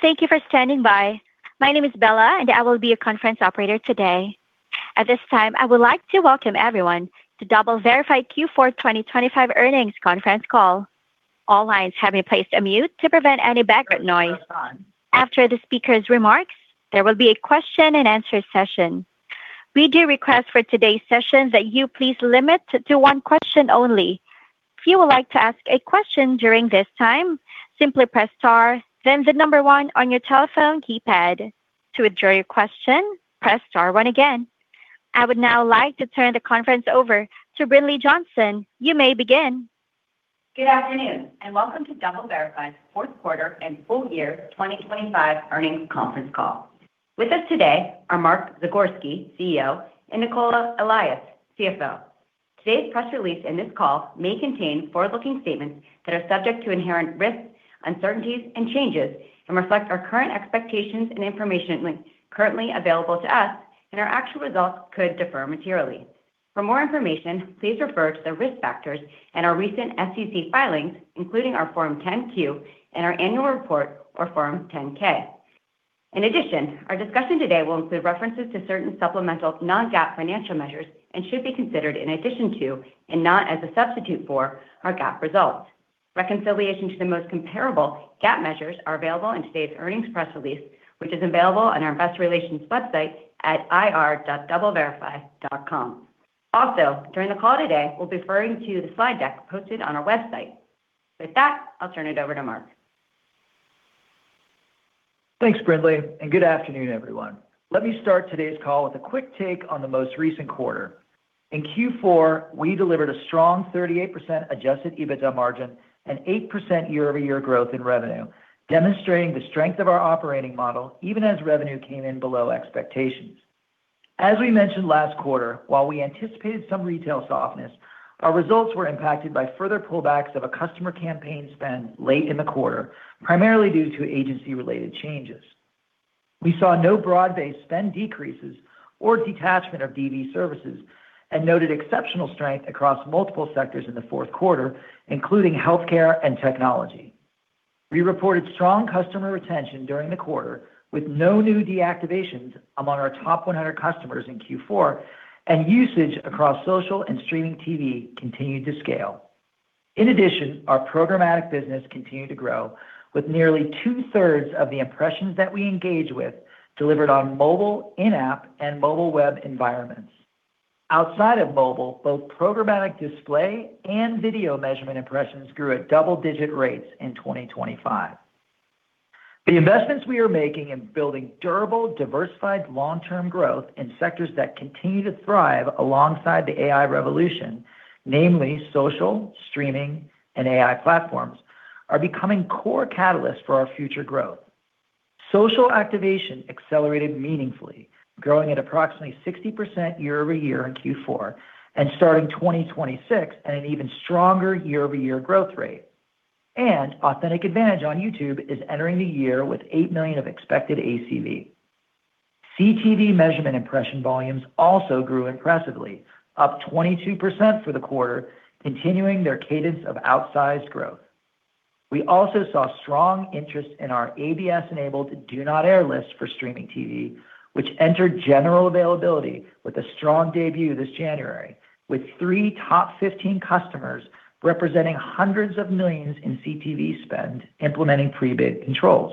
Thank you for standing by. My name is Bella, and I will be your conference operator today. At this time, I would like to welcome everyone to DoubleVerify Q4 2025 earnings conference call. All lines have been placed on mute to prevent any background noise. After the speaker's remarks, there will be a question and answer session. We do request for today's session that you please limit to one question only. If you would like to ask a question during this time, simply press star then the number one on your telephone keypad. To withdraw your question, press star one again. I would now like to turn the conference over to Brinlea Johnson. You may begin. Good afternoon and welcome to DoubleVerify's fourth quarter and full year 2025 earnings conference call. With us today are Mark Zagorski, CEO, and Nicola Allais, CFO. Today's press release and this call may contain forward-looking statements that are subject to inherent risks, uncertainties and changes and reflect our current expectations and information currently available to us and our actual results could differ materially. For more information, please refer to the risk factors in our recent SEC filings, including our Form 10-Q and our Annual Report or Form 10-K. Our discussion today will include references to certain supplemental non-GAAP financial measures and should be considered in addition to and not as a substitute for our GAAP results. Reconciliation to the most comparable GAAP measures are available in today's earnings press release, which is available on our investor relations website at ir.doubleverify.com. During the call today, we'll be referring to the slide deck posted on our website. With that, I'll turn it over to Mark Zagorski. Thanks, Brinlea Johnson. Good afternoon, everyone. Let me start today's call with a quick take on the most recent quarter. In Q4, we delivered a strong 38% adjusted EBITDA margin and 8% year-over-year growth in revenue, demonstrating the strength of our operating model even as revenue came in below expectations. As we mentioned last quarter, while we anticipated some retail softness, our results were impacted by further pullbacks of a customer campaign spend late in the quarter, primarily due to agency-related changes. We saw no broad-based spend decreases or detachment of DV services and noted exceptional strength across multiple sectors in the fourth quarter, including healthcare and technology. We reported strong customer retention during the quarter with no new deactivations among our top 100 customers in Q4 and usage across social and streaming TV continued to scale. In addition, our programmatic business continued to grow with nearly two-thirds of the impressions that we engage with delivered on mobile in-app and mobile web environments. Outside of mobile, both programmatic display and video measurement impressions grew at double-digit rates in 2025. The investments we are making in building durable, diversified long-term growth in sectors that continue to thrive alongside the AI revolution, namely social, streaming, and AI platforms, are becoming core catalysts for our future growth. Social activation accelerated meaningfully, growing at approximately 60% year-over-year in Q4 and starting 2026 at an even stronger year-over-year growth rate. Authentic AdVantage on YouTube is entering the year with $8 million of expected ACV. CTV measurement impression volumes also grew impressively, up 22% for the quarter, continuing their cadence of outsized growth. We also saw strong interest in our ABS-enabled Do Not Air list for streaming TV, which entered general availability with a strong debut this January, with three top 15 customers representing hundreds of millions in CTV spend implementing pre-bid controls.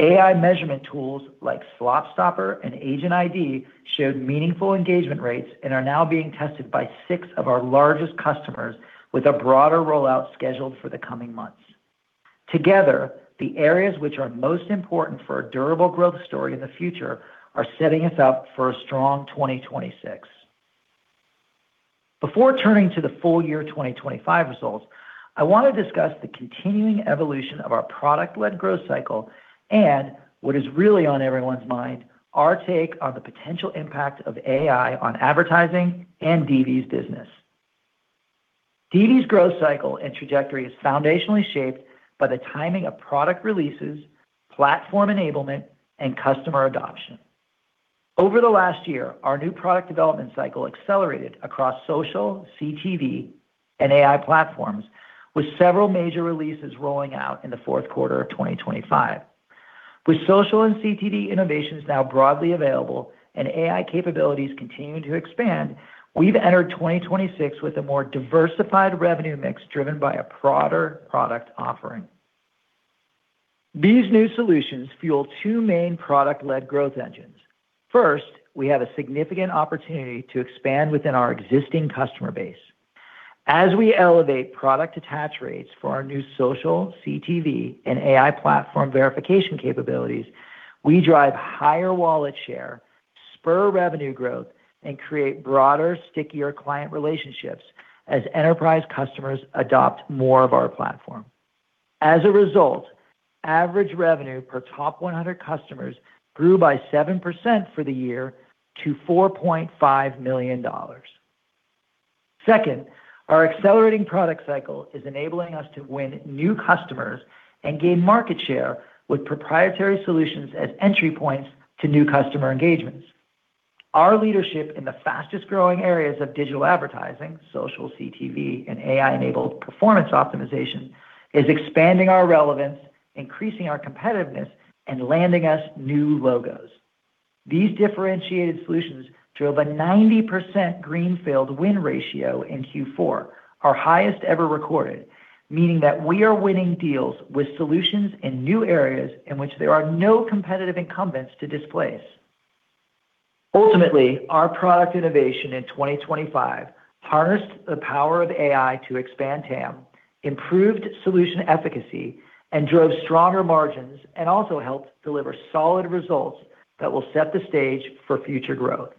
AI measurement tools like SlopStopper and Agent ID showed meaningful engagement rates and are now being tested by six of our largest customers with a broader rollout scheduled for the coming months. Together, the areas which are most important for a durable growth story in the future are setting us up for a strong 2026. Before turning to the full year 2025 results, I want to discuss the continuing evolution of our product-led growth cycle and what is really on everyone's mind, our take on the potential impact of AI on advertising and DV's business. DV's growth cycle and trajectory is foundationally shaped by the timing of product releases, platform enablement, and customer adoption. Over the last year, our new product development cycle accelerated across social, CTV, and AI platforms with several major releases rolling out in the fourth quarter of 2025. With social and CTV innovations now broadly available and AI capabilities continuing to expand, we've entered 2026 with a more diversified revenue mix driven by a broader product offering. These new solutions fuel two main product-led growth engines. First, we have a significant opportunity to expand within our existing customer base. As we elevate product attach rates for our new social, CTV, and AI platform verification capabilities, we drive higher wallet share, spur revenue growth, and create broader, stickier client relationships as enterprise customers adopt more of our platform. As a result, average revenue per top 100 customers grew by 7% for the year to $4.5 million. Second, our accelerating product cycle is enabling us to win new customers and gain market share with proprietary solutions as entry points to new customer engagements. Our leadership in the fastest-growing areas of digital advertising, social CTV and AI-enabled performance optimization, is expanding our relevance, increasing our competitiveness, and landing us new logos. These differentiated solutions drove a 90% greenfield win ratio in Q4, our highest ever recorded, meaning that we are winning deals with solutions in new areas in which there are no competitive incumbents to displace. Ultimately, our product innovation in 2025 harnessed the power of AI to expand TAM, improved solution efficacy, and drove stronger margins, and also helped deliver solid results that will set the stage for future growth.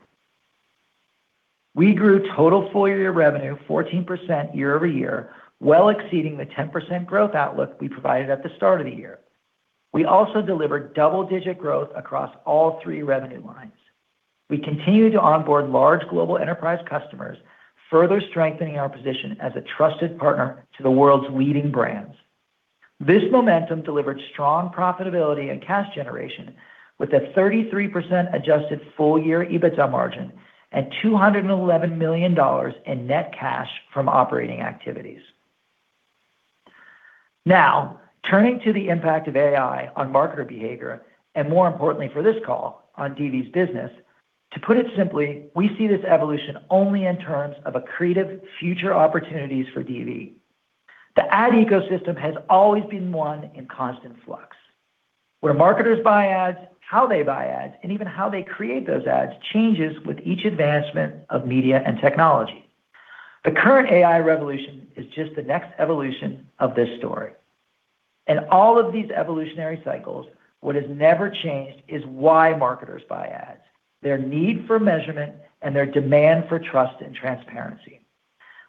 We grew total full-year revenue 14% year-over-year, well exceeding the 10% growth outlook we provided at the start of the year. We also delivered double-digit growth across all three revenue lines. We continued to onboard large global enterprise customers, further strengthening our position as a trusted partner to the world's leading brands. This momentum delivered strong profitability and cash generation with a 33% adjusted full-year EBITDA margin and $211 million in net cash from operating activities. Turning to the impact of AI on marketer behavior, and more importantly for this call, on DV's business, to put it simply, we see this evolution only in terms of accretive future opportunities for DV. The ad ecosystem has always been one in constant flux. Where marketers buy ads, how they buy ads, and even how they create those ads changes with each advancement of media and technology. The current AI revolution is just the next evolution of this story. In all of these evolutionary cycles, what has never changed is why marketers buy ads, their need for measurement, and their demand for trust and transparency.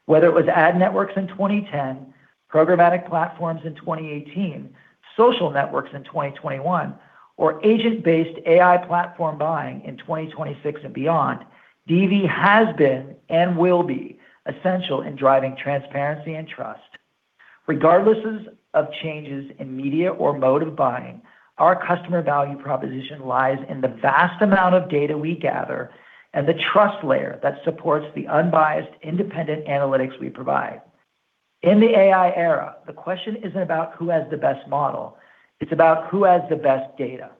Whether it was ad networks in 2010, programmatic platforms in 2018, social networks in 2021, or agent-based AI platform buying in 2026 and beyond, DV has been and will be essential in driving transparency and trust. Regardless of changes in media or mode of buying, our customer value proposition lies in the vast amount of data we gather and the trust layer that supports the unbiased, independent analytics we provide. In the AI era, the question isn't about who has the best model, it's about who has the best data.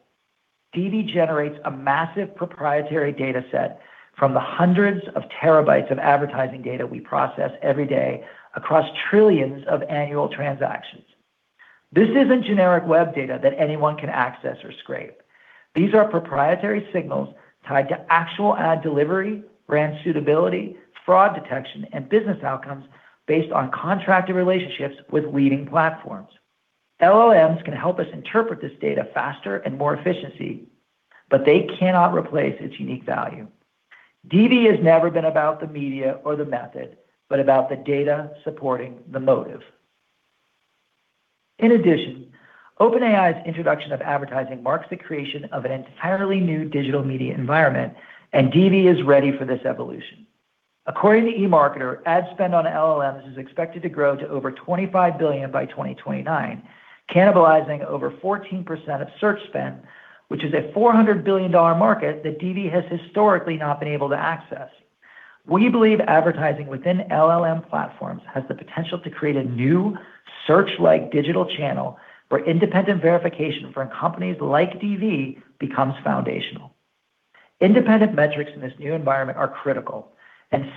DV generates a massive proprietary data set from the hundreds of terabytes of advertising data we process every day across trillions of annual transactions. This isn't generic web data that anyone can access or scrape. These are proprietary signals tied to actual ad delivery, brand suitability, fraud detection, and business outcomes based on contracted relationships with leading platforms. LLMs can help us interpret this data faster and more efficiency, but they cannot replace its unique value. DV has never been about the media or the method, but about the data supporting the motive. In addition, OpenAI's introduction of advertising marks the creation of an entirely new digital media environment, and DV is ready for this evolution. According to eMarketer, ad spend on LLMs is expected to grow to over $25 billion by 2029, cannibalizing over 14% of search spend, which is a $400 billion market that DV has historically not been able to access. We believe advertising within LLM platforms has the potential to create a new search-like digital channel where independent verification from companies like DV becomes foundational. Independent metrics in this new environment are critical.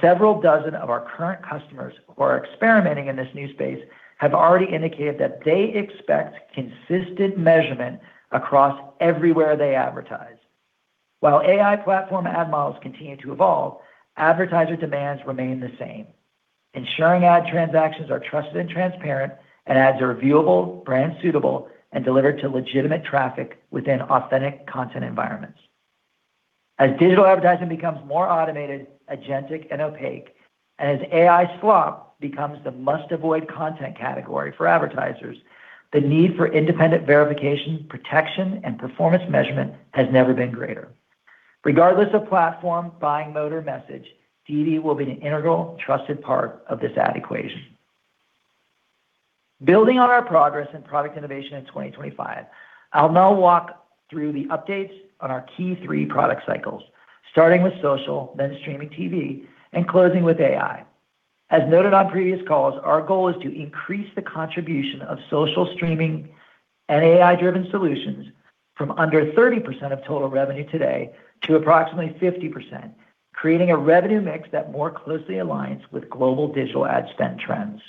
Several dozen of our current customers who are experimenting in this new space have already indicated that they expect consistent measurement across everywhere they advertise. While AI platform ad models continue to evolve, advertiser demands remain the same: ensuring ad transactions are trusted and transparent, and ads are viewable, brand suitable, and delivered to legitimate traffic within authentic content environments. As digital advertising becomes more automated, agentic, and opaque, and as AI slop becomes the must-avoid content category for advertisers, the need for independent verification, protection, and performance measurement has never been greater. Regardless of platform, buying mode, or message, DV will be an integral, trusted part of this ad equation. Building on our progress in product innovation in 2025, I'll now walk through the updates on our key 3 product cycles, starting with social, then streaming TV, and closing with AI. As noted on previous calls, our goal is to increase the contribution of social streaming and AI-driven solutions from under 30% of total revenue today to approximately 50%, creating a revenue mix that more closely aligns with global digital ad spend trends.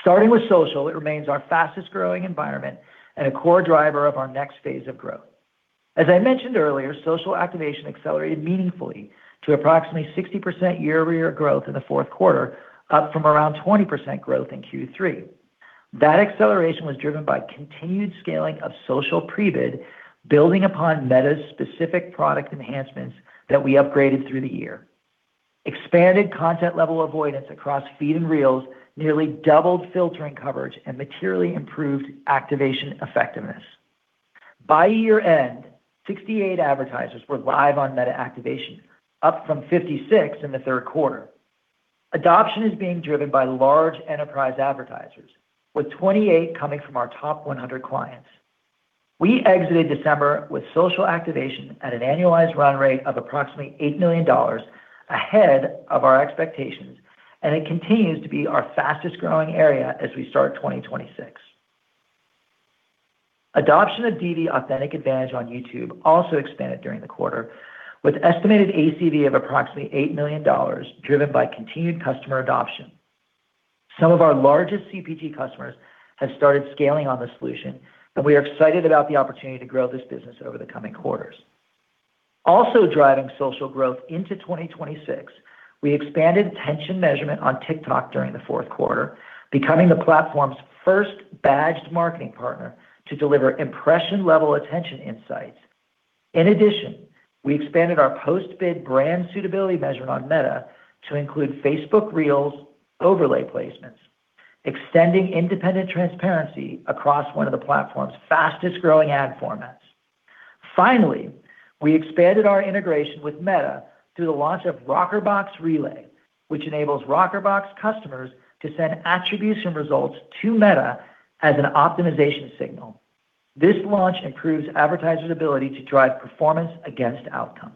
Starting with social, it remains our fastest-growing environment and a core driver of our next phase of growth. As I mentioned earlier, social activation accelerated meaningfully to approximately 60% year-over-year growth in the fourth quarter, up from around 20% growth in Q3. That acceleration was driven by continued scaling of social pre-bid, building upon Meta's specific product enhancements that we upgraded through the year. Expanded content-level avoidance across feed and Reels nearly doubled filtering coverage and materially improved activation effectiveness. By year-end, 68 advertisers were live on Meta Activation, up from 56 in the third quarter. Adoption is being driven by large enterprise advertisers, with 28 coming from our top 100 clients. We exited December with social activation at an annualized run rate of approximately $8 million ahead of our expectations, and it continues to be our fastest-growing area as we start 2026. Adoption of DV Authentic AdVantage on YouTube also expanded during the quarter, with estimated ACV of approximately $8 million driven by continued customer adoption. Some of our largest CPG customers have started scaling on this solution. We are excited about the opportunity to grow this business over the coming quarters. Driving social growth into 2026, we expanded attention measurement on TikTok during the fourth quarter, becoming the platform's first badged marketing partner to deliver impression-level attention insights. In addition, we expanded our post-bid brand suitability measurement on Meta to include Facebook Reels overlay placements, extending independent transparency across one of the platform's fastest-growing ad formats. We expanded our integration with Meta through the launch of Rockerbox Relay, which enables Rockerbox customers to send attribution results to Meta as an optimization signal. This launch improves advertisers' ability to drive performance against outcomes.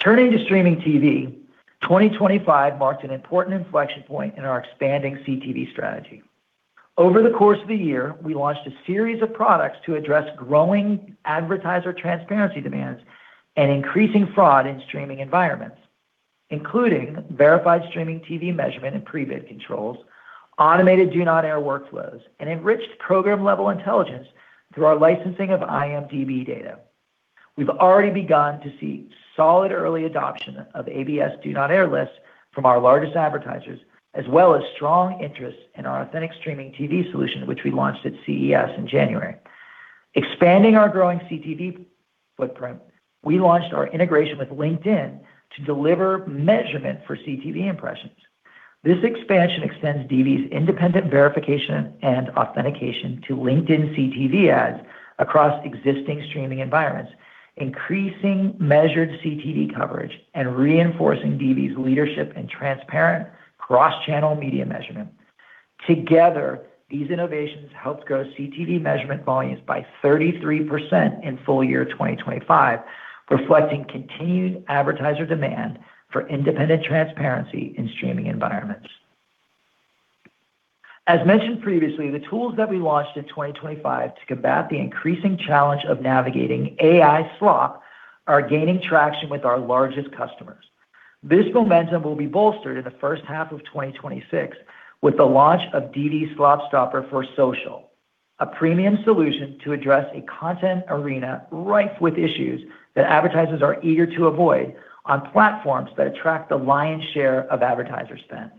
Turning to streaming TV, 2025 marked an important inflection point in our expanding CTV strategy. Over the course of the year, we launched a series of products to address growing advertiser transparency demands and increasing fraud in streaming environments, including Verified Streaming TV measurement and pre-bid controls, automated Do Not Air workflows, and enriched program-level intelligence through our licensing of IMDb data. We've already begun to see solid early adoption of ABS Do Not Air lists from our largest advertisers, as well as strong interest in our Authentic Streaming TV solution, which we launched at CES in January. Expanding our growing CTV footprint, we launched our integration with LinkedIn to deliver measurement for CTV impressions. This expansion extends DV's independent verification and authentication to LinkedIn CTV ads across existing streaming environments, increasing measured CTV coverage and reinforcing DV's leadership in transparent cross-channel media measurement. Together, these innovations helped grow CTV measurement volumes by 33% in full year 2025, reflecting continued advertiser demand for independent transparency in streaming environments. As mentioned previously, the tools that we launched in 2025 to combat the increasing challenge of navigating AI slop are gaining traction with our largest customers. This momentum will be bolstered in the first half of 2026 with the launch of DV SlopStopper for Social, a premium solution to address a content arena rife with issues that advertisers are eager to avoid on platforms that attract the lion's share of advertiser spend.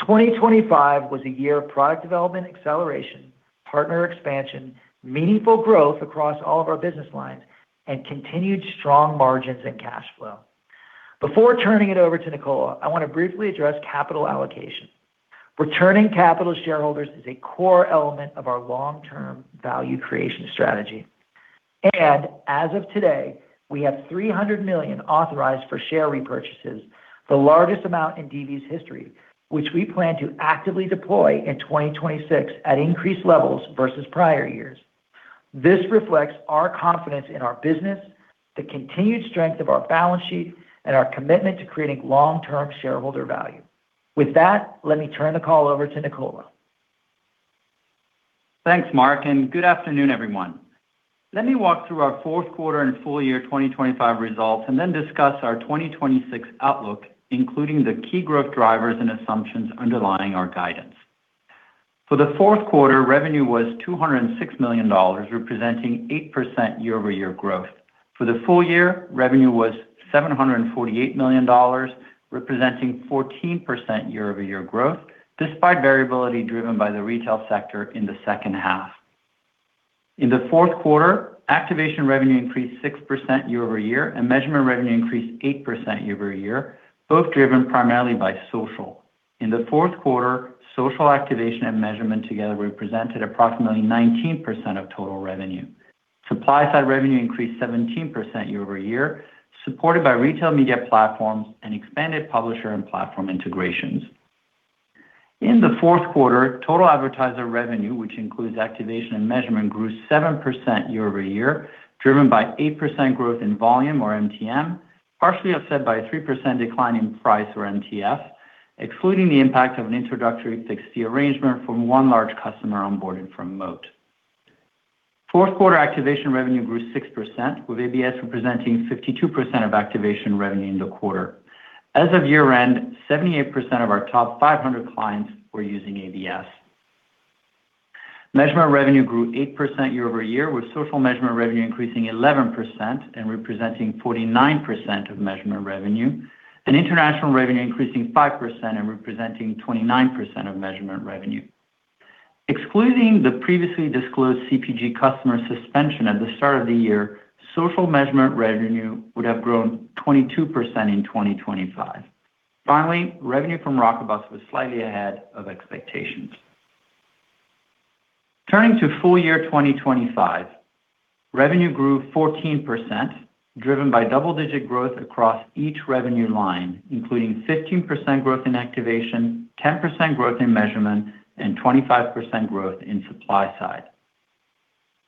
2025 was a year of product development acceleration, partner expansion, meaningful growth across all of our business lines, and continued strong margins and cash flow. Before turning it over to Nicola Allais, I want to briefly address capital allocation. Returning capital to shareholders is a core element of our long-term value creation strategy. As of today, we have $300 million authorized for share repurchases, the largest amount in DV's history, which we plan to actively deploy in 2026 at increased levels versus prior years. This reflects our confidence in our business, the continued strength of our balance sheet, and our commitment to creating long-term shareholder value. With that, let me turn the call over to Nicola Allais. Thanks, Mark Zagorski, good afternoon, everyone. Let me walk through our fourth quarter and full year 2025 results then discuss our 2026 outlook, including the key growth drivers and assumptions underlying our guidance. For the fourth quarter, revenue was $206 million, representing 8% year-over-year growth. For the full year, revenue was $748 million, representing 14% year-over-year growth, despite variability driven by the retail sector in the second half. In the fourth quarter, activation revenue increased 6% year-over-year measurement revenue increased 8% year-over-year, both driven primarily by social. In the fourth quarter, social activation and measurement together represented approximately 19% of total revenue. Supply-side revenue increased 17% year-over-year, supported by retail media platforms and expanded publisher and platform integrations. In the fourth quarter, total advertiser revenue, which includes activation and measurement, grew 7% year-over-year, driven by 8% growth in volume or MTM, partially offset by a 3% decline in price or MTF, excluding the impact of an introductory fixed-fee arrangement from one large customer onboarded from Moat. Fourth quarter activation revenue grew 6%, with ABS representing 52% of activation revenue in the quarter. As of year-end, 78% of our top 500 clients were using ABS. Measurement revenue grew 8% year-over-year, with social measurement revenue increasing 11% and representing 49% of measurement revenue, and international revenue increasing 5% and representing 29% of measurement revenue. Excluding the previously disclosed CPG customer suspension at the start of the year, social measurement revenue would have grown 22% in 2025. Finally, revenue from Rockerbox was slightly ahead of expectations. Turning to full year 2025, revenue grew 14%, driven by double-digit growth across each revenue line, including 15% growth in activation, 10% growth in measurement, and 25% growth in supply side.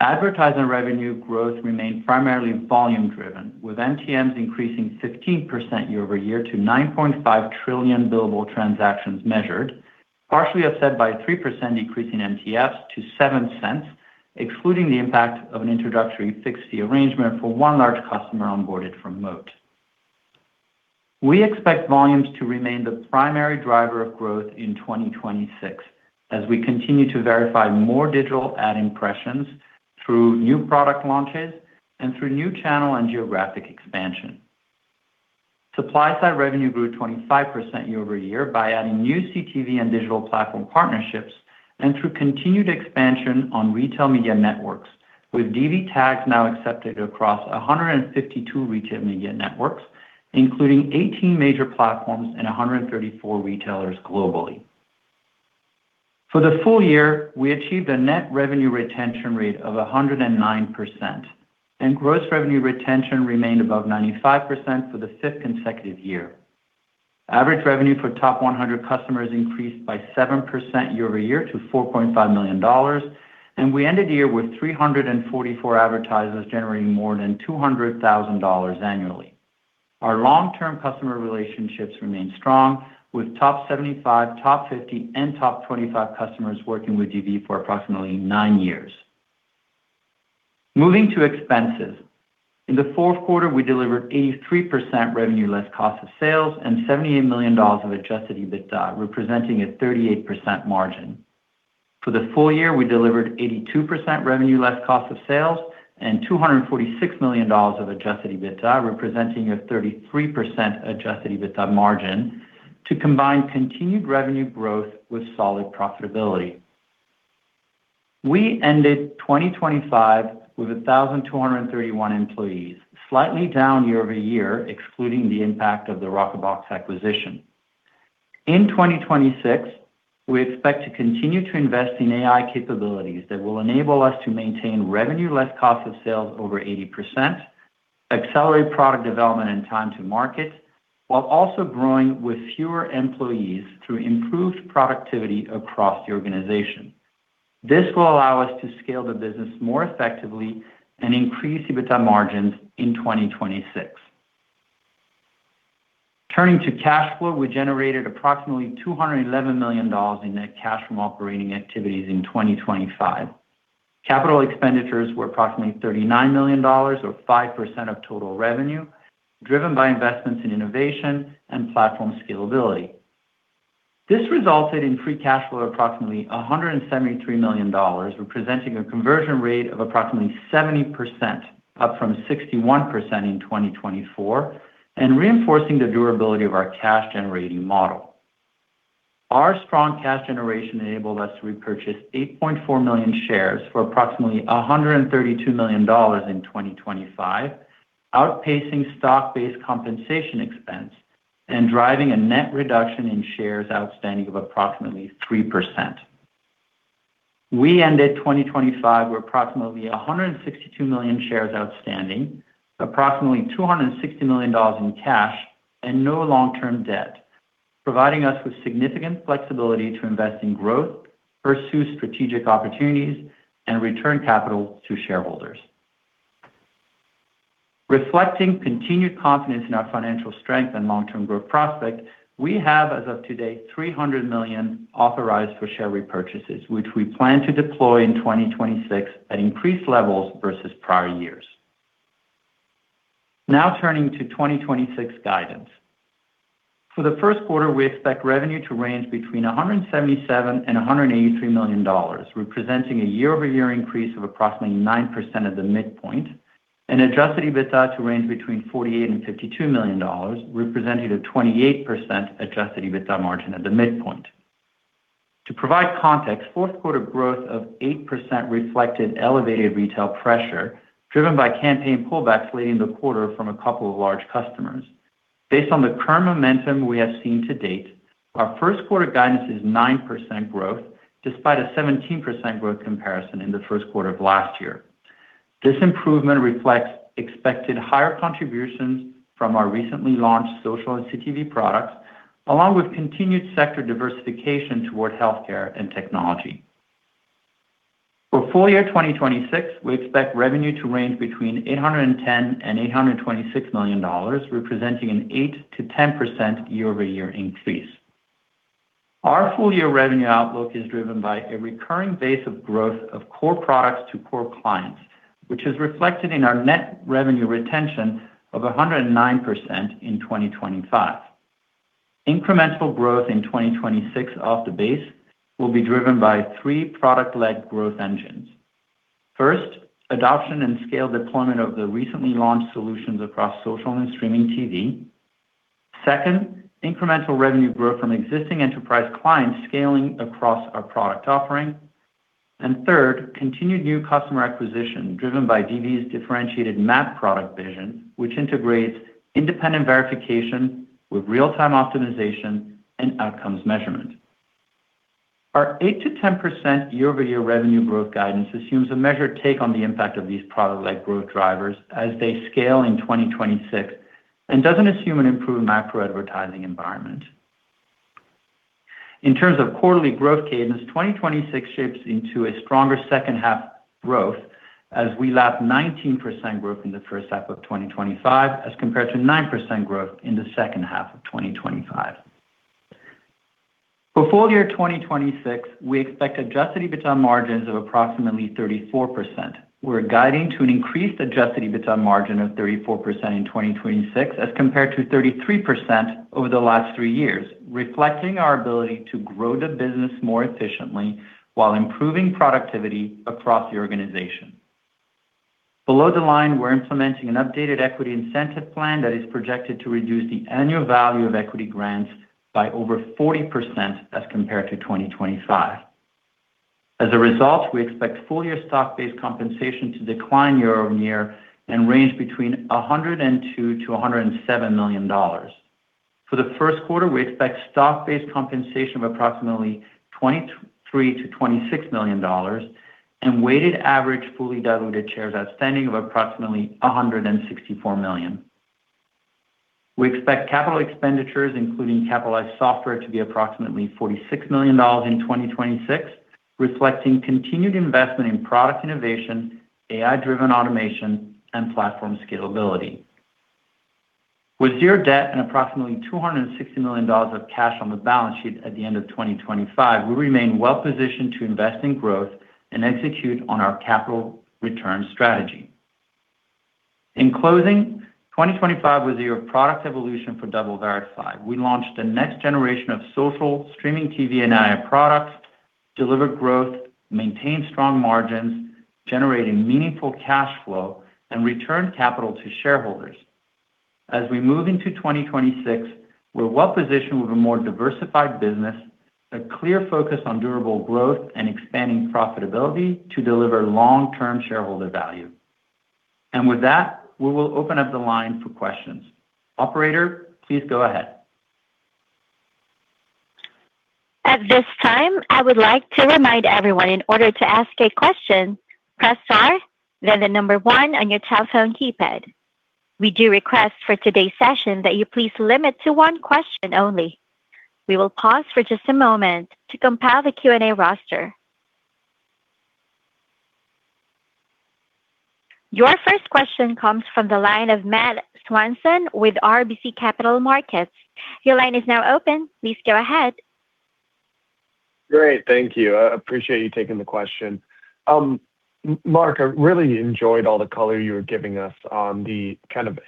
Advertising revenue growth remained primarily volume-driven, with MTMs increasing 15% year-over-year to 9.5 trillion billable transactions measured, partially offset by 3% decrease in MTFs to $0.07, excluding the impact of an introductory fixed-fee arrangement for 1 large customer onboarded from Moat. We expect volumes to remain the primary driver of growth in 2026 as we continue to verify more digital ad impressions through new product launches and through new channel and geographic expansion. Supply side revenue grew 25% year-over-year by adding new CTV and digital platform partnerships and through continued expansion on retail media networks, with DV tags now accepted across 152 retail media networks, including 18 major platforms and 134 retailers globally. For the full year, we achieved a net revenue retention rate of 109%, and gross revenue retention remained above 95% for the fifth consecutive year. Average revenue for top 100 customers increased by 7% year-over-year to $4.5 million, and we ended the year with 344 advertisers generating more than $200,000 annually. Our long-term customer relationships remain strong with top 75, top 50, and top 25 customers working with DV for approximately nine years. Moving to expenses. In the fourth quarter, we delivered 83% revenue less cost of sales and $78 million of adjusted EBITDA, representing a 38% margin. For the full year, we delivered 82% revenue less cost of sales and $246 million of adjusted EBITDA, representing a 33% adjusted EBITDA margin to combine continued revenue growth with solid profitability. We ended 2025 with 1,231 employees, slightly down year-over-year, excluding the impact of the Rockerbox acquisition. In 2026, we expect to continue to invest in AI capabilities that will enable us to maintain revenue less cost of sales over 80%, accelerate product development and time to market, while also growing with fewer employees through improved productivity across the organization. This will allow us to scale the business more effectively and increase EBITDA margins in 2026. Turning to cash flow, we generated approximately $211 million in net cash from operating activities in 2025. Capital expenditures were approximately $39 million or 5% of total revenue, driven by investments in innovation and platform scalability. This resulted in free cash flow of approximately $173 million, representing a conversion rate of approximately 70%, up from 61% in 2024, reinforcing the durability of our cash-generating model. Our strong cash generation enabled us to repurchase 8.4 million shares for approximately $132 million in 2025, outpacing stock-based compensation expense and driving a net reduction in shares outstanding of approximately 3%. We ended 2025 with approximately 162 million shares outstanding, approximately $260 million in cash, and no long-term debt, providing us with significant flexibility to invest in growth, pursue strategic opportunities, and return capital to shareholders. Reflecting continued confidence in our financial strength and long-term growth prospect, we have, as of to date, $300 million authorized for share repurchases, which we plan to deploy in 2026 at increased levels versus prior years. Now turning to 2026 guidance. For the first quarter, we expect revenue to range between $177 million and $183 million, representing a year-over-year increase of approximately 9% of the midpoint, and adjusted EBITDA to range between $48 million and $52 million, representing a 28% adjusted EBITDA margin at the midpoint. To provide context, fourth quarter growth of 8% reflected elevated retail pressure driven by campaign pullbacks late in the quarter from a couple of large customers. Based on the current momentum we have seen to date, our first quarter guidance is 9% growth, despite a 17% growth comparison in the first quarter of last year. This improvement reflects expected higher contributions from our recently launched social and CTV products, along with continued sector diversification towards healthcare and technology. For full year 2026, we expect revenue to range between $810 million and $826 million, representing an 8%-10% year-over-year increase. Our full year revenue outlook is driven by a recurring base of growth of core products to core clients, which is reflected in our net revenue retention of 109% in 2025. Incremental growth in 2026 off the base will be driven by three product-led growth engines. First, adoption and scale deployment of the recently launched solutions across social and Streaming TV. Second, incremental revenue growth from existing enterprise clients scaling across our product offering. Third, continued new customer acquisition driven by DV's differentiated MAP product vision, which integrates independent verification with real-time optimization Outcomes measurement. Our 8%-10% year-over-year revenue growth guidance assumes a measured take on the impact of these product-led growth drivers as they scale in 2026 and doesn't assume an improved macro advertising environment. In terms of quarterly growth cadence, 2026 shapes into a stronger second half growth as we lap 19% growth in the first half of 2025 as compared to 9% growth in the second half of 2025. For full year 2026, we expect adjusted EBITDA margins of approximately 34%. We're guiding to an increased adjusted EBITDA margin of 34% in 2026 as compared to 33% over the last 3 years, reflecting our ability to grow the business more efficiently while improving productivity across the organization. Below the line, we're implementing an updated equity incentive plan that is projected to reduce the annual value of equity grants by over 40% as compared to 2025. As a result, we expect full year stock-based compensation to decline year-over-year and range between $102 million-$107 million. For the first quarter, we expect stock-based compensation of approximately $23 million-$26 million and weighted average fully diluted shares outstanding of approximately 164 million. We expect capital expenditures, including capitalized software, to be approximately $46 million in 2026, reflecting continued investment in product innovation, AI-driven automation, and platform scalability. With zero debt and approximately $260 million of cash on the balance sheet at the end of 2025, we remain well positioned to invest in growth and execute on our capital return strategy. In closing, 2025 was a year of product evolution for DoubleVerify. We launched the next generation of social, streaming TV and CTV products, delivered growth, maintained strong margins, generating meaningful cash flow, and returned capital to shareholders. As we move into 2026, we're well-positioned with a more diversified business, a clear focus on durable growth, and expanding profitability to deliver long-term shareholder value. With that, we will open up the line for questions. Operator, please go ahead. At this time, I would like to remind everyone in order to ask a question, press star, then the 1 on your telephone keypad. We do request for today's session that you please limit to 1 question only. We will pause for just a moment to compile the Q&A roster. Your first question comes from the line of Matthew Swanson with RBC Capital Markets. Your line is now open. Please go ahead. Great. Thank you. I appreciate you taking the question. Mark Zagorski, I really enjoyed all the call you were giving us on the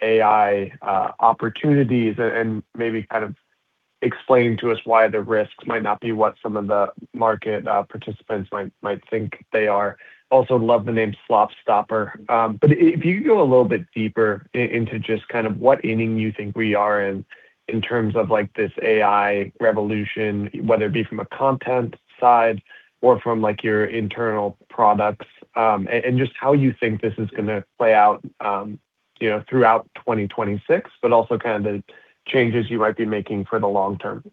AI opportunities and maybe kind of explain to us why the risks might not be what some of the market participants might think they are. Also love the name AI SlopStopper. If you go a little bit deeper into just what inning you think we are in in terms of like this AI revolution, whether it be from a content side or from like your internal products, and just how you think this is gonna play out throughout 2026, but also kind of the changes you might be making for the long term.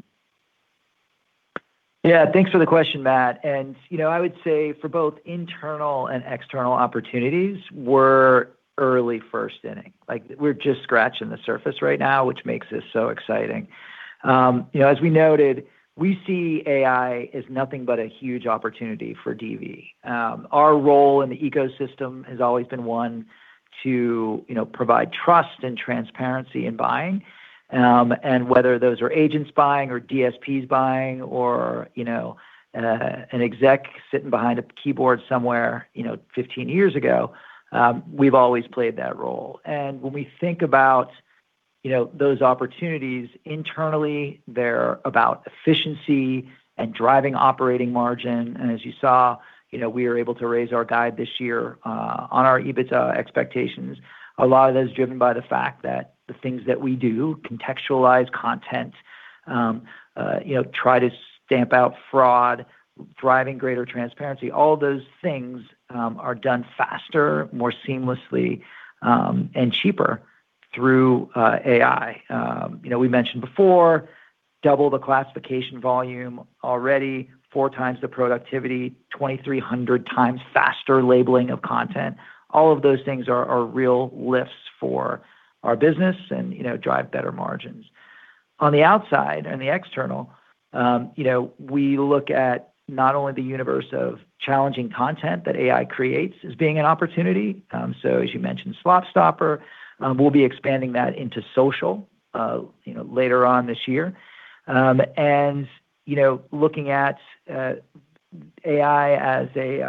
Thanks for the question, Matthew Swanson I would say for both internal and external opportunities, we're early first inning. We're just scratching the surface right now, which makes this so exciting. As we noted, we see AI as nothing but a huge opportunity for DV. Our role in the ecosystem has always been one to provide trust and transparency in buying. Whether those are agents buying or DSPs buying or, an exec sitting behind a keyboard somewhere, 15 years ago, we've always played that role. When we think about, those opportunities internally, they're about efficiency and driving operating margin. As you saw we are able to raise our guide this year on our EBITDA expectations. A lot of that is driven by the fact that the things that we do, contextualize content try to stamp out fraud, driving greater transparency, all those things, are done faster, more seamlessly, and cheaper through AI. We mentioned before, double the classification volume already, 4 times the productivity, 2,300 times faster labeling of content. All of those things are real lifts for our business and drive better margins. On the outside and the external we look at not only the universe of challenging content that AI creates as being an opportunity. As you mentioned, SlopStopper, we'll be expanding that into social later on this year. Looking at AI as a,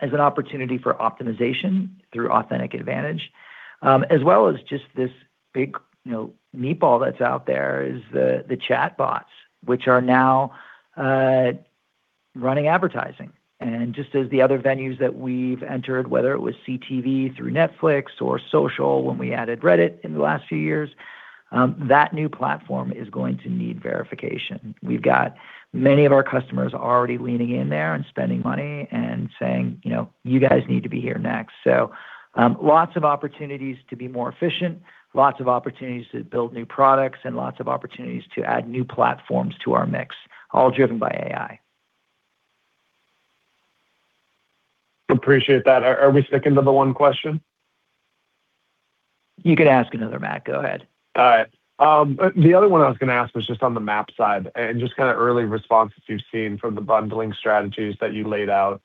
as an opportunity for optimization through Authentic AdVantage, as well as just this big meatball that's out there is the chatbots, which are now, running advertising. Just as the other venues that we've entered, whether it was CTV through Netflix or social when we added Reddit in the last few years, that new platform is going to need verification. We've got many of our customers already leaning in there and spending money and saying, "You guys need to be here next." Lots of opportunities to be more efficient, lots of opportunities to build new products, and lots of opportunities to add new platforms to our mix, all driven by AI. Appreciate that. Are we sticking to the one question? You could ask another, Matthew Swanson. Go ahead. Alright. The other one I was gonna ask was just on the MAP side and just early responses you've seen from the bundling strategies that you laid out,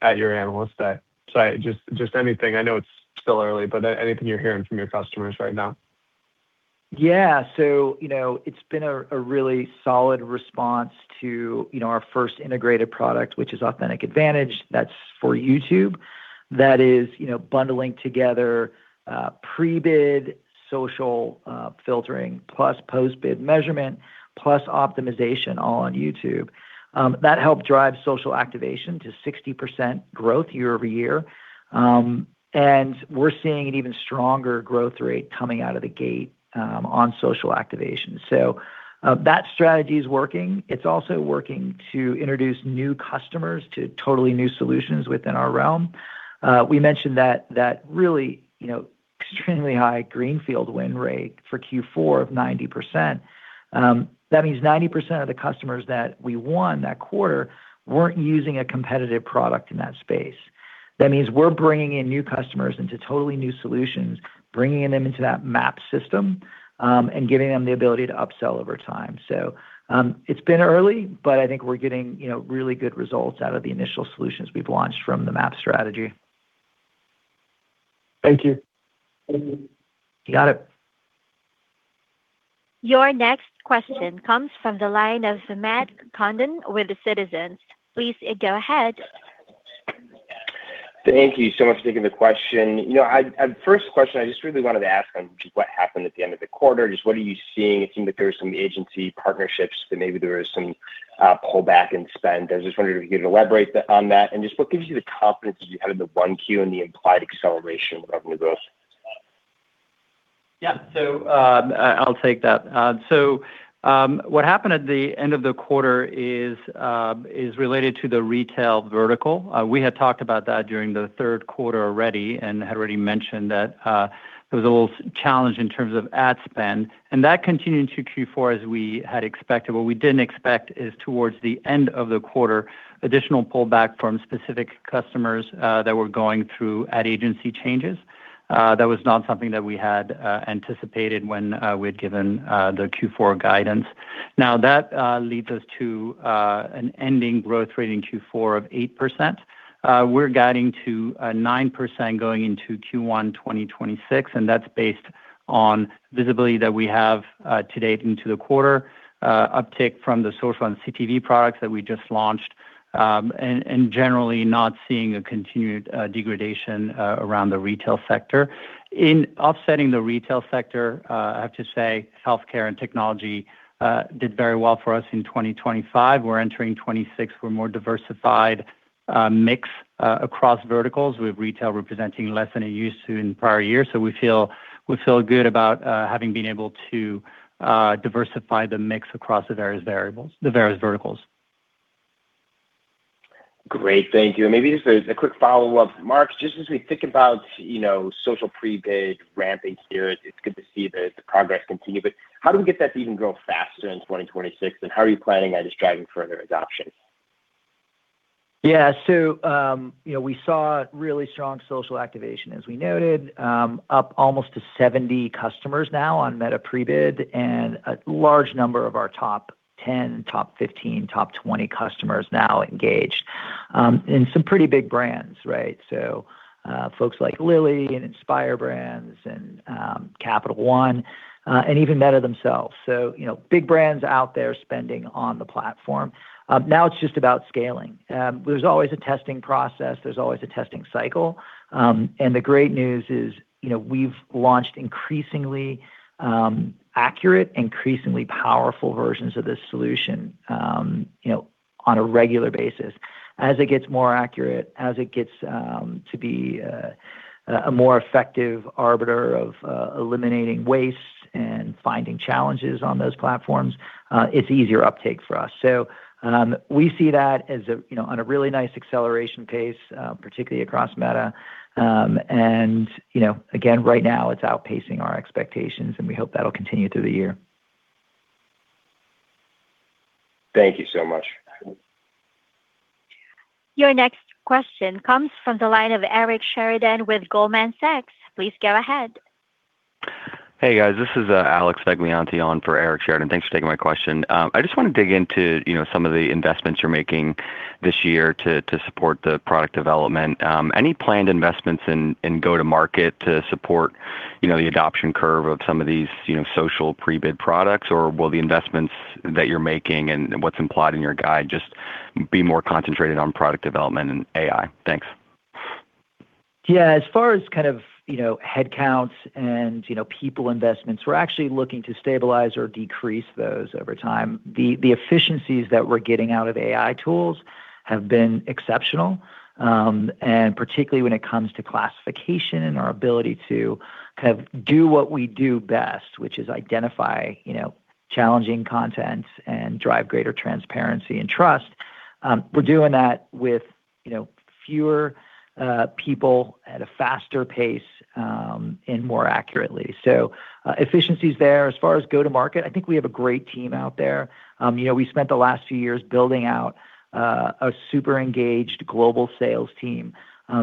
at your analyst day. Sorry, just anything. I know it's still early, but anything you're hearing from your customers right now. It's been a really solid response to our first integrated product, which is Authentic AdVantage. That's for YouTube. That is bundling together pre-bid social filtering plus post-bid measurement plus optimization all on YouTube. That helped drive social activation to 60% growth year-over-year. We're seeing an even stronger growth rate coming out of the gate on social activation. That strategy is working. It's also working to introduce new customers to totally new solutions within our realm. We mentioned that really, extremely high greenfield win rate for Q4 of 90%. That means 90% of the customers that we won that quarter weren't using a competitive product in that space. That means we're bringing in new customers into totally new solutions, bringing them into that MAP system, and giving them the ability to upsell over time. It's been early, but I think we're getting really good results out of the initial solutions we've launched from the MAP strategy. Thank you. You got it. Your next question comes from the line of Matt Condon with the Citizens JMP. Please, go ahead. Thank you so much for taking the question. First question, I just really wanted to ask on just what happened at the end of the quarter. Just what are you seeing? It seemed like there were some agency partnerships that maybe there was some pullback in spend. I just wondered if you could elaborate on that. Just what gives you the confidence that you had in the 1Q and the implied acceleration of revenue growth? I'll take that. What happened at the end of the quarter is related to the retail vertical. We had talked about that during the third quarter already and had already mentioned that there was a little challenge in terms of ad spend. That continued into Q4 as we had expected. What we didn't expect is towards the end of the quarter, additional pullback from specific customers that were going through ad agency changes. That was not something that we had anticipated when we'd given the Q4 guidance. That leads us to an ending growth rate in Q4 of 8%. We're guiding to 9% going into Q1 2026, and that's based on visibility that we have to date into the quarter, uptick from the social and CTV products that we just launched, and generally not seeing a continued degradation around the retail sector. In offsetting the retail sector, I have to say healthcare and technology did very well for us in 2025. We're entering 2026 with more diversified mix across verticals, with retail representing less than it used to in prior years. We feel good about having been able to diversify the mix across the various verticals. Great. Thank you. Maybe just a quick follow-up to Mark Zagorski. Just as we think about social pre-bid ramping here, it's good to see the progress continue, but how do we get that to even grow faster in 2026, and how are you planning on just driving further adoption? We saw really strong social activation, as we noted, up almost to 70 customers now on Meta Pre-bid and a large number of our top 10, top 15, top 20 customers now engaged, and some pretty big brands. Folks like Lilly and Inspire Brands and Capital One, and even Meta themselves. You know, big brands out there spending on the platform. Now it's just about scaling. There's always a testing process. There's always a testing cycle. The great news is, you know, we've launched increasingly accurate, increasingly powerful versions of this solution, you know, on a regular basis. As it gets more accurate, as it gets to be a more effective arbiter of eliminating waste and finding challenges on those platforms, it's easier uptake for us. We see that as on a really nice acceleration pace, particularly across Meta. Again, right now it's outpacing our expectations, and we hope that'll continue through the year. Thank you so much. Your next question comes from the line of Eric Sheridan with Goldman Sachs. Please go ahead. Hey, guys. This is Alex Vegliante on for Eric Sheridan. Thanks for taking my question. I just wanna dig into, you know, some of the investments you're making this year to support the product development. Any planned investments in go-to-market to support the adoption curve of some of these social pre-bid products? Will the investments that you're making and what's implied in your guide just be more concentrated on product development and AI? Thanks. As far as, headcounts and, you know, people investments, we're actually looking to stabilize or decrease those over time. The efficiencies that we're getting out of AI tools have been exceptional, and particularly when it comes to classification and our ability to do what we do best, which is identify, you know, challenging content and drive greater transparency and trust. We're doing that with fewer people at a faster pace, and more accurately. Efficiency is there. As far as go-to-market, I think we have a great team out there. We spent the last few years building out a super engaged global sales team.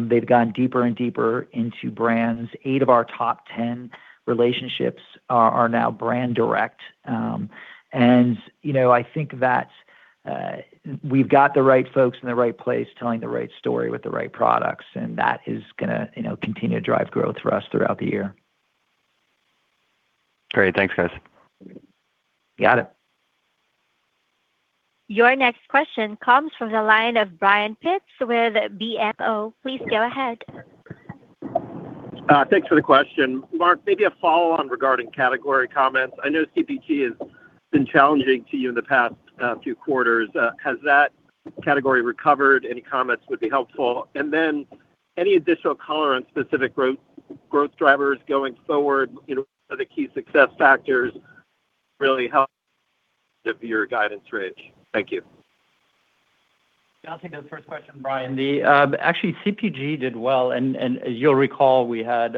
They've gone deeper and deeper into brands. 8 of our top 10 relationships are now brand direct.I think that, we've got the right folks in the right place telling the right story with the right products, and that is gonna continue to drive growth for us throughout the year. Great. Thanks, guys. Got it. Your next question comes from the line of Brian Pitz with BMO. Please go ahead. Thanks for the question. Mark Zagorski, maybe a follow-on regarding category comments. I know CPG has been challenging to you in the past few quarters. Has that category recovered? Any comments would be helpful. Any additional color on specific growth drivers going forward, you know, are the key success factors really help of your guidance range? Thank you. Yeah, I'll take that first question, Brian Pitz. Actually, CPG did well. As you'll recall, we had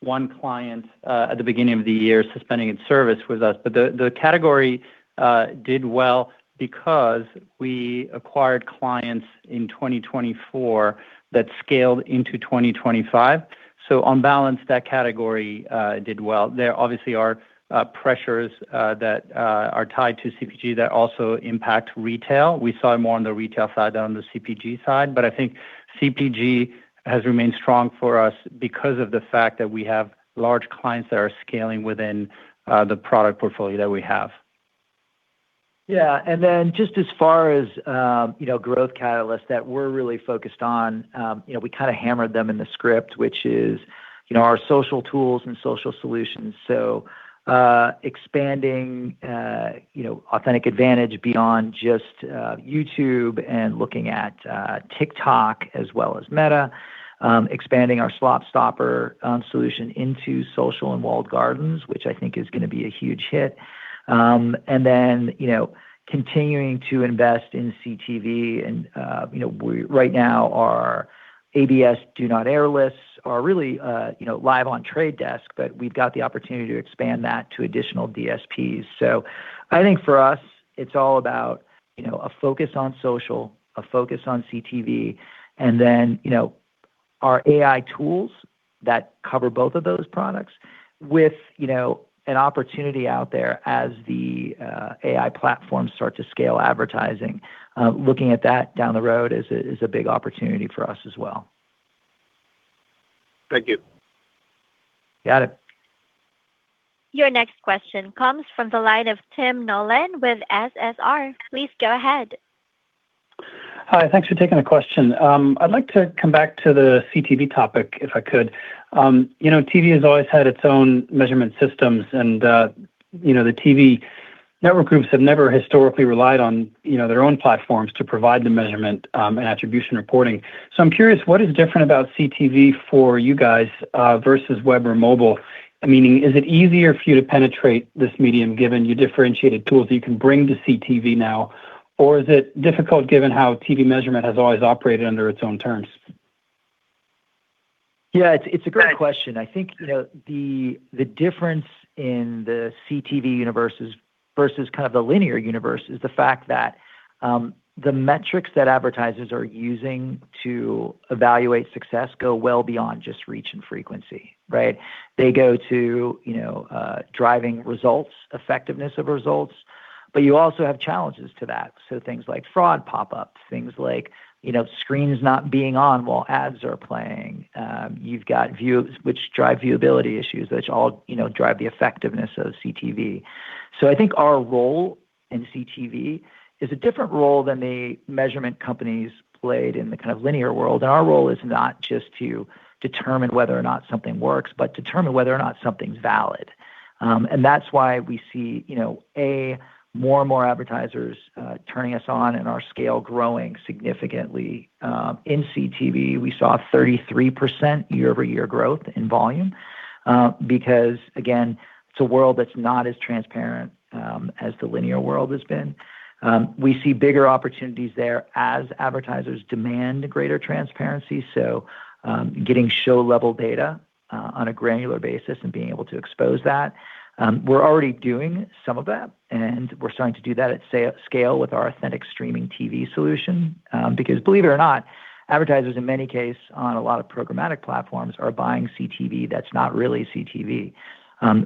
one client at the beginning of the year suspending its service with us. The category did well because we acquired clients in 2024 that scaled into 2025. On balance, that category did well. There obviously are pressures that are tied to CPG that also impact retail. We saw it more on the retail side than on the CPG side. I think CPG has remained strong for us because of the fact that we have large clients that are scaling within the product portfolio that we have. Yeah. Just as far as growth catalysts that we're really focused on, we hammered them in the script, which is our social tools and social solutions. Expanding, you know, DV Authentic AdVantage beyond just YouTube and looking at TikTok as well as Meta, expanding our AI SlopStopper solution into social and walled gardens, which I think is gonna be a huge hit. Continuing to invest in CTV and, you know, right now our ABS Do Not Air lists are really, you know, live on The Trade Desk, but we've got the opportunity to expand that to additional DSPs. I think for us, it's all about, you know, a focus on social, a focus on CTV, and then, you know, our AI tools that cover both of those products with, you know, an opportunity out there as the AI platforms start to scale advertising. Looking at that down the road is a big opportunity for us as well. Thank you. Got it. Your next question comes from the line of Tim Nollen with SSR. Please go ahead. Hi. Thanks for taking the question. I'd like to come back to the CTV topic, if I could. TV has always had its own measurement systems, and the TV network groups have never historically relied on their own platforms to provide the measurement and attribution reporting. I'm curious, what is different about CTV for you guys versus web or mobile? I mean, is it easier for you to penetrate this medium given your differentiated tools you can bring to CTV now, or is it difficult given how TV measurement has always operated under its own terms? It's a great question. I think, you know, the difference in the CTV universe is, versus kind of the linear universe is the fact that the metrics that advertisers are using to evaluate success go well beyond just reach and frequency. They go to, you know, driving results, effectiveness of results. You also have challenges to that. Things like fraud pop up, things like, you know, screens not being on while ads are playing. You've got views which drive viewability issues, which all drive the effectiveness of CTV. I think our role in CTV is a different role than the measurement companies played in the kind of linear world. Our role is not just to determine whether or not something works, but determine whether or not something's valid. That's why we see know, more and more advertisers turning us on and our scale growing significantly. In CTV, we saw 33% year-over-year growth in volume, because again, it's a world that's not as transparent as the linear world has been. We see bigger opportunities there as advertisers demand greater transparency. Getting show-level data on a granular basis and being able to expose that, we're already doing some of that, and we're starting to do that at scale with our Authentic Streaming TV solution. Because believe it or not, advertisers in many case on a lot of programmatic platforms are buying CTV that's not really CTV.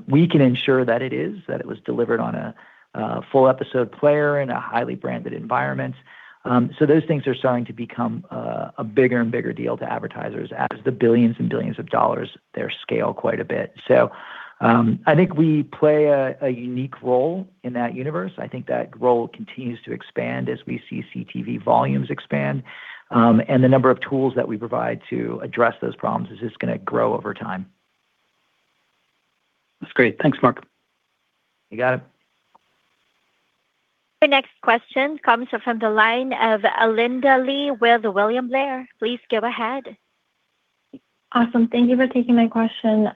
We can ensure that it is, that it was delivered on a full episode player in a highly branded environment. Those things are starting to become a bigger and bigger deal to advertisers as the billions and billions of dollars there scale quite a bit. I think we play a unique role in that universe. I think that role continues to expand as we see CTV volumes expand, and the number of tools that we provide to address those problems is just gonna grow over time. That's great. Thanks, Mark Zagorski. You got it. Your next question comes from the line of Linda Lee with William Blair. Please go ahead. Awesome. Thank you for taking my question.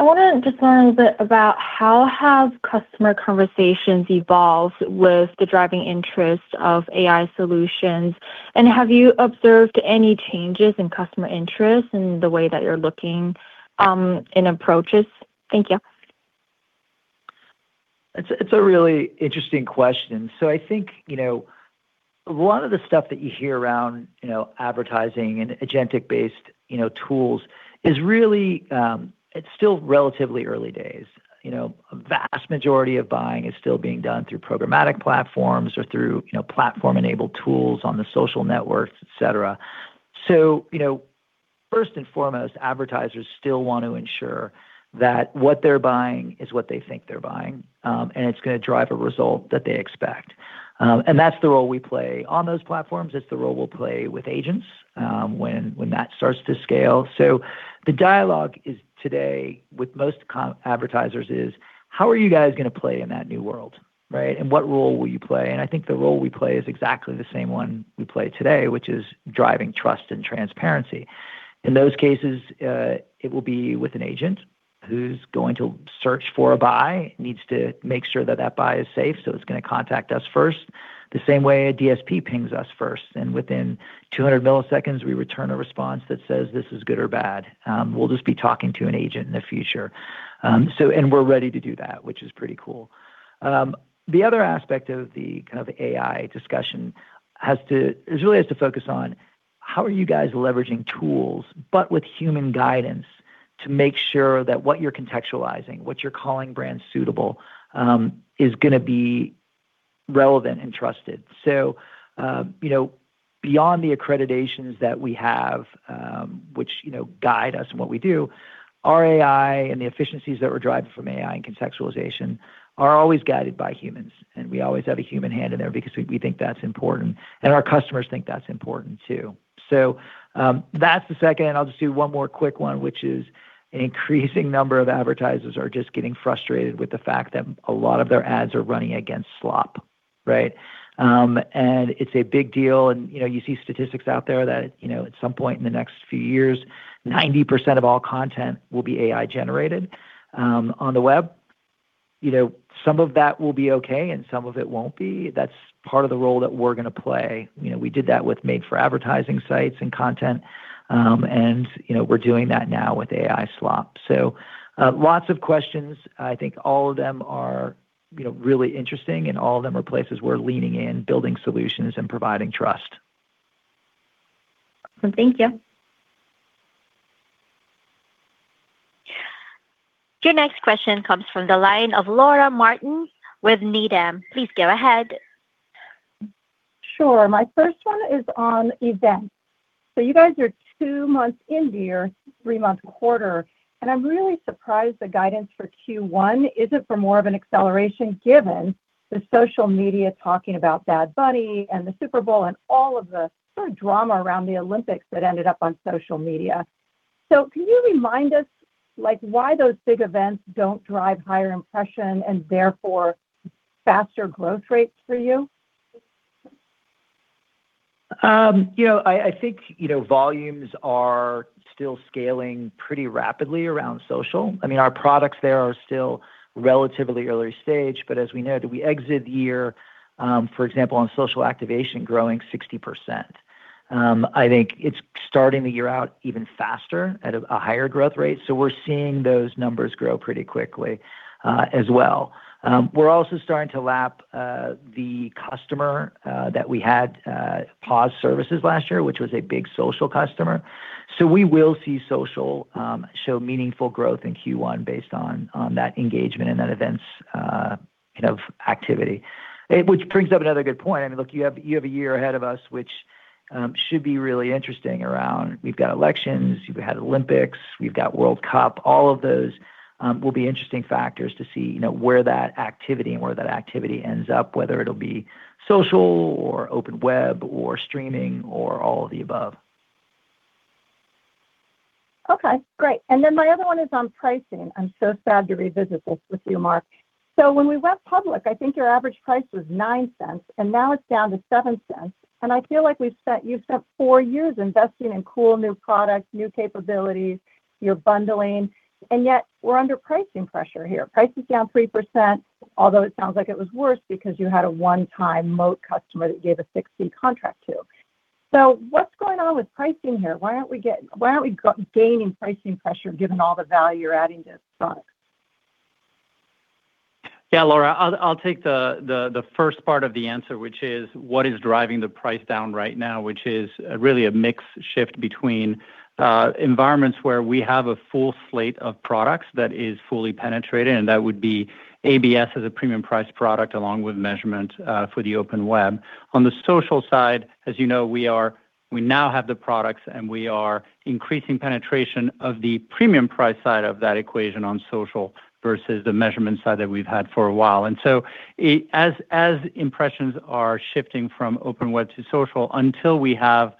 I wanna just learn a bit about how have customer conversations evolved with the driving interest of AI solutions, and have you observed any changes in customer interest in the way that you're looking, in approaches? Thank you. It's a really interesting question. I think one of the stuff that you hear around, advertising and agentic-based, tools is really, it's still relatively early day. Vast majority of buying is still being done through programmatic platforms or through, platform-enabled tools on the social networks, et cetera. First and foremost, advertisers still want to ensure that what they're buying is what they think they're buying, and it's gonna drive a result that they expect. That's the role we play on those platforms. It's the role we'll play with agents, when that starts to scale. The dialogue is today with most advertisers is, "How are you guys gonna play in that new world, right? What role will you play?" I think the role we play is exactly the same one we play today, which is driving trust and transparency. In those cases, it will be with an agent who's going to search for a buy, needs to make sure that that buy is safe, so it's gonna contact us first. The same way a DSP pings us first, and within 200 milliseconds, we return a response that says, "This is good or bad." We'll just be talking to an agent in the future. We're ready to do that, which is pretty cool. The other aspect of the kind of AI discussion is really has to focus on how are you guys leveraging tools, but with human guidance to make sure that what you're contextualizing, what you're calling brand suitable, is gonna be relevant and trusted. Beyond the accreditations that we have, which, you know, guide us in what we do, our AI and the efficiencies that we're driving from AI and contextualization are always guided by humans, and we always have a human hand in there because we think that's important, and our customers think that's important too. That's the second, and I'll just do one more quick one, which is an increasing number of advertisers are just getting frustrated with the fact that a lot of their ads are running against slop, right? It's a big deal, and you see statistics out there that at some point in the next few years, 90% of all content will be AI-generated on the web. Some of that will be okay, and some of it won't be. That's part of the role that we're gonna play. We did that with made-for-advertising sites and content, and we're doing that now with AI slop. Lots of questions. I think all of them are, you know, really interesting, and all of them are places we're leaning in, building solutions and providing trust. Thank you. Your next question comes from the line of Laura Martin with Needham. Please go ahead. Sure. My first one is on events. You guys are 2 months into your 3-month quarter, and I'm really surprised the guidance for Q1 isn't for more of an acceleration given the social media talking about Bad Bunny and the Super Bowl and all of the sort of drama around the Olympics that ended up on social media. Can you remind us, like, why those big events don't drive higher impression and therefore faster growth rates for you? I think, you volumes are still scaling pretty rapidly around social. I mean, our products there are still relatively early stage, but as we noted, we exit the year, for example, on social activation growing 60%. I think it's starting the year out even faster at a higher growth rate, so we're seeing those numbers grow pretty quickly as well. We're also starting to lap the customer that we had pause services last year, which was a big social customer. We will see social show meaningful growth in Q1 based on that engagement and that event's, you know, activity. Which brings up another good point. I mean, look, you have a year ahead of us which should be really interesting around we've got elections, we've had Olympics, we've got World Cup. All of those will be interesting factors to see, where that activity ends up, whether it'll be social or open web or streaming or all of the above. Okay. Great. My other one is on pricing. I'm so sad to revisit this with you, Mark. When we went public, I think your average price was $0.09, now it's down to $0.07, I feel like you've spent four years investing in cool new products, new capabilities, you're bundling, we're under pricing pressure here. Pricing's down 3%, although it sounds like it was worse because you had a one-time Moat customer that you gave a fixed-fee contract to. What's going on with pricing here? Why aren't we gaining pricing pressure given all the value you're adding to the product? Yeah, Laura Martin, I'll take the first part of the answer, which is what is driving the price down right now, which is really a mix shift between environments where we have a full slate of products that is fully penetrated, and that would be ABS as a premium price product along with measurement for the open web. On the social side, as you know, we now have the products, and we are increasing penetration of the premium price side of that equation on social versus the measurement side that we've had for a while. As impressions are shifting from open web to social, until we have.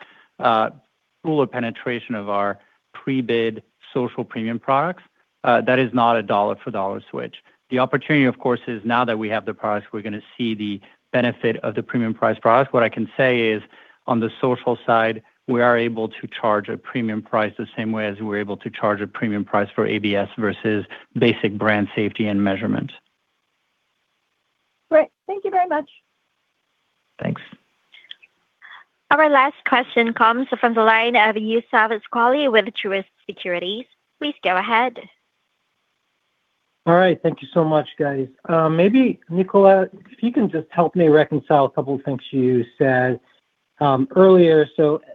Fuller penetration of our pre-bid social premium products, that is not a dollar for dollar switch. The opportunity, of course, is now that we have the products, we're going see the benefit of the premium price product. What I can say is on the social side, we are able to charge a premium price the same way as we're able to charge a premium price for ABS versus basic brand safety and measurement. Great. Thank you very much. Thanks. Our last question comes from the line of Youssef Squali with Truist Securities. Please go ahead. All right. Thank you so much, guys. maybe Nicola, if you can just help me reconcile a couple of things you said earlier.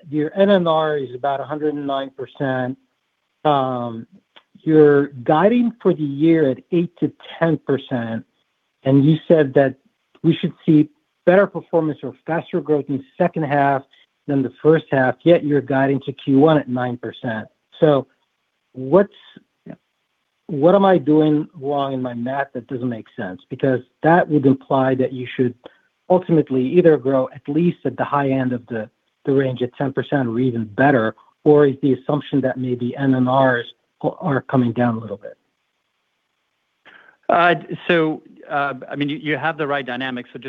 Your NRR is about 109%. you're guiding for the year at 8%-10%. You said that we should see better performance or faster growth in the second half than the first half, yet you're guiding to Q1 at 9%. What am I doing wrong in my math that doesn't make sense? Because that would imply that you should ultimately either grow at least at the high end of the range at 10% or even better or is the assumption that maybe NNRs are coming down a little bit. I mean, you have the right dynamics, so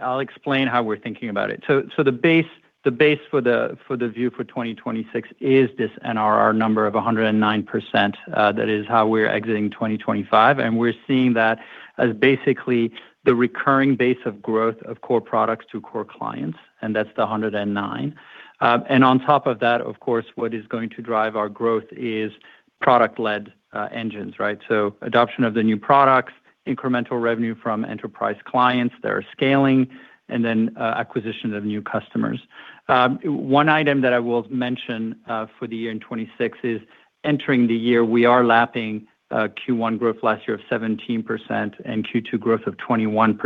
I'll explain how we're thinking about it. The base for the view for 2026 is this NRR number of 109%. That is how we're exiting 2025, and we're seeing that as basically the recurring base of growth of core products to core clients, and that's the 109. On top of that, of course, what is going to drive our growth is product-led engines. Adoption of the new products, incremental revenue from enterprise clients that are scaling, and then acquisition of new customers. One item that I will mention for the year in 2026 is entering the year, we are lapping Q1 growth last year of 17% and Q2 growth of 21%.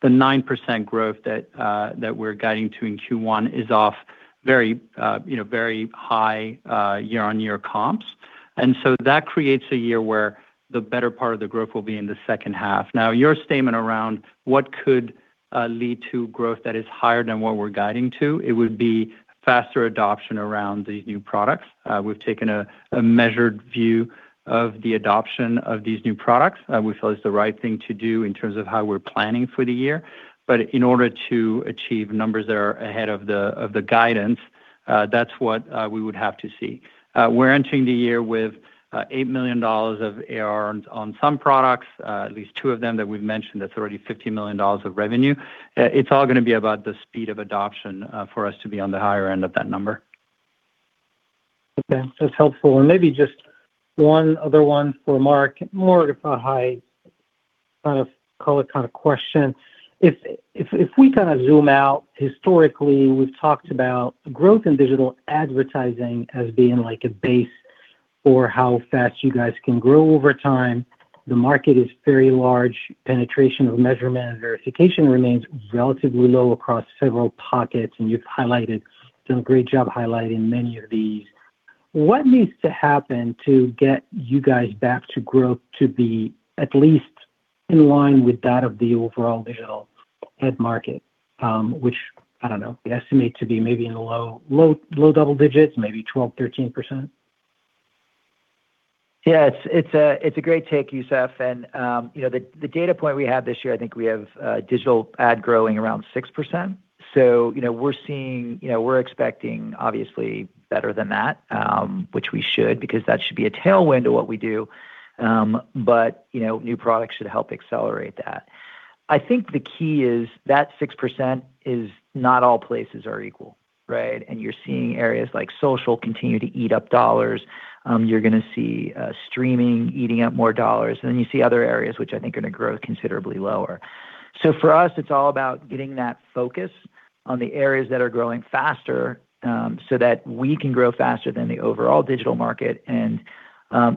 The 9% growth that we're guiding to in Q1 is off very very high year-over-year comps. That creates a year where the better part of the growth will be in the second half. Now, your statement around what could lead to growth that is higher than what we're guiding to, it would be faster adoption around these new products. We've taken a measured view of the adoption of these new products. We feel it's the right thing to do in terms of how we're planning for the year. In order to achieve numbers that are ahead of the guidance, that's what we would have to see. We're entering the year with $8 million of ARR on some products, at least two of them that we've mentioned, that's already $50 million of revenue. It's all gonna be about the speed of adoption for us to be on the higher end of that number. Okay. That's helpful. Maybe just one other one for Mark Zagorski. Mark Zagorski, kind of call it question. If we kind of zoom out historically, we've talked about growth in digital advertising as being like a base for how fast you guys can grow over time. The market is very large. Penetration of measurement and verification remains relatively low across several pockets, and you've highlighted, done a great job highlighting many of these. What needs to happen to get you guys back to growth to be at least in line with that of the overall digital ad market, which, I don't know, we estimate to be maybe in the low double digits, maybe 12%, 13%? Yeah. It's a great take, Youssef Squali. The data point we have this year, I think we have digital ad growing around 6%. You know, we're expecting obviously better than that, which we should because that should be a tailwind to what we do. You know, new products should help accelerate that. I think the key is that 6% is not all places are equal, right? You're seeing areas like social continue to eat up dollars. You're gonna see streaming eating up more dollars. You see other areas which I think are going grow considerably lower. For us, it's all about getting that focus on the areas that are growing faster, so that we can grow faster than the overall digital market. You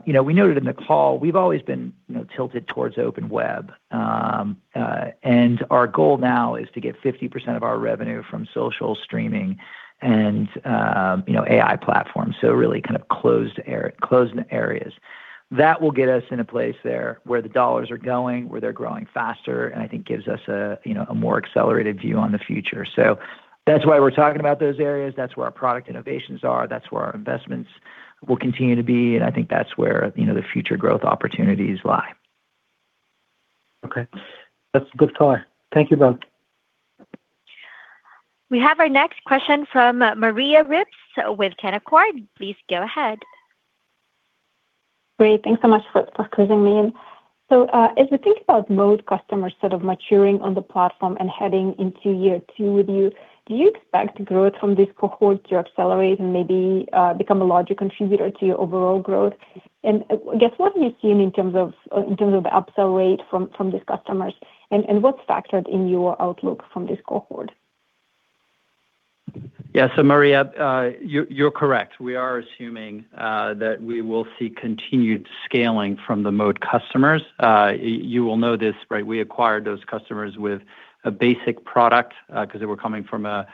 know, we noted in the call we've always been, you know, tilted towards open web. Our goal now is to get 50% of our revenue from social streaming and, you know, AI platforms, so really closed closed areas. That will get us in a place there where the dollars are going, where they're growing faster, and I think gives us a, you know, a more accelerated view on the future. That's why we're talking about those areas. That's where our product innovations are. That's where our investments will continue to be, and I think that's where, you know, the future growth opportunities lie. Okay. That's a good call. Thank you both. We have our next question from Maria Ripps with Canaccord. Please go ahead. Great. Thanks so much for closing me in. As we think about Scibids customers sort of maturing on the platform and heading into year 2 with you, do you expect growth from this cohort to accelerate and maybe become a larger contributor to your overall growth? I guess what are you seeing in terms of the upsell rate from these customers and what's factored in your outlook from this cohort? Yeah. Maria Ripps, you're correct. We are assuming that we will see continued scaling from the Scibids customers. You will know this, right? We acquired those customers with a basic product, 'cause they were coming from a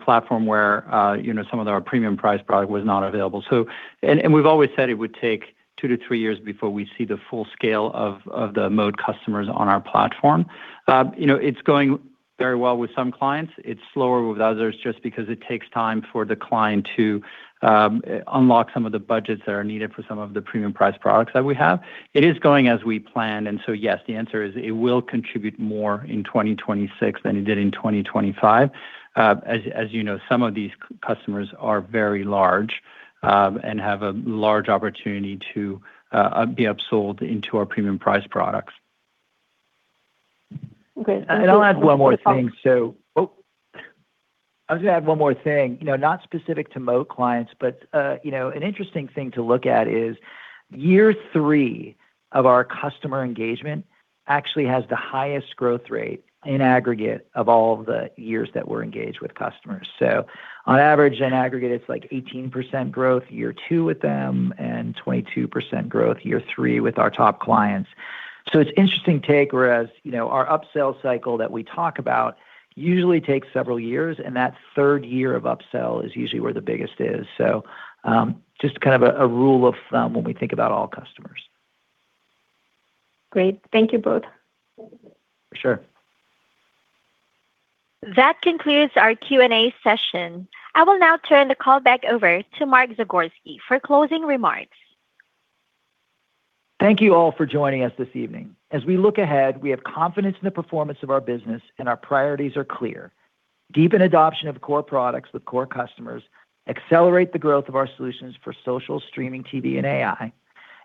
platform where, you know, some of our premium price product was not available. We've always said it would take 2 to 3 years before we see the full scale of the Scibids customers on our platform. It's going very well with some clients, it's slower with others just because it takes time for the client to unlock some of the budgets that are needed for some of the premium price products that we have. It is going as we planned. Yes, the answer is it will contribute more in 2026 than it did in 2025. As you know, some of these customers are very large, and have a large opportunity to be upsold into our premium price products. Okay. I'll add one more thing. I'll just add one more thing. Not specific to Moat clients, but, you know, an interesting thing to look at is year three of our customer engagement actually has the highest growth rate in aggregate of all the years that we're engaged with customers. On average, in aggregate, it's like 18% growth year two with them and 22% growth year three with our top clients. It's interesting take, whereas, our upsell cycle that we talk about usually takes several years, and that third year of upsell is usually where the biggest is. Just kind of a rule of thumb when we think about all customers. Great. Thank you both. For sure. That concludes our Q&A session. I will now turn the call back over to Mark Zagorski for closing remarks. Thank you all for joining us this evening. As we look ahead, we have confidence in the performance of our business and our priorities are clear: deepen adoption of core products with core customers, accelerate the growth of our solutions for social, streaming TV, and AI,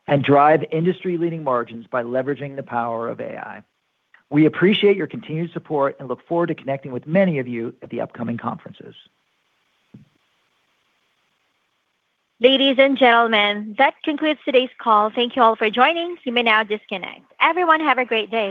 and drive industry-leading margins by leveraging the power of AI. We appreciate your continued support and look forward to connecting with many of you at the upcoming conferences. Ladies and gentlemen, that concludes today's call. Thank you all for joining. You may now disconnect. Everyone, have a great day.